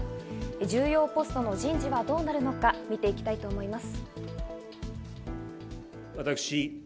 重要ポストの人事はどうなるのか見ていきたいと思います。